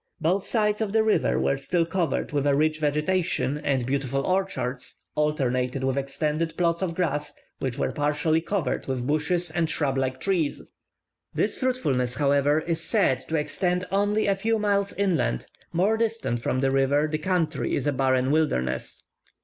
Both sides of the river were still covered with a rich vegetation, and beautiful orchards, alternated with extended plots of grass, which were partially covered with bushes or shrub like trees. This fruitfulness, however, is said to extend only a few miles inland: more distant from the river the country is a barren wilderness.